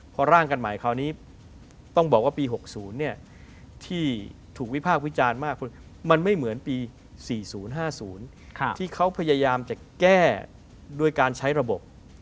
พอร่างกันใหม่คราวนี้ต้องบอกว่าปี๖๐ที่ถูกวิพากษ์วิจารณ์มากมันไม่เหมือนปี๔๐๕๐ที่เขาพยายามจะแก้โดยการใช้ระบบ